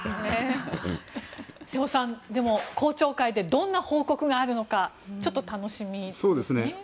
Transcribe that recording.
瀬尾さん公聴会でどんな報告があるのかちょっと楽しみですね。